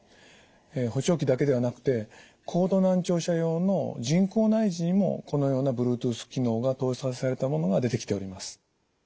補聴器だけではなくて高度難聴者用の人工内耳にもこのようなブルートゥース機能が搭載されたものが出てきております。